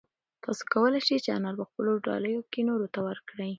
تاسو کولای شئ چې انار په خپلو ډالیو کې نورو ته ورکړئ.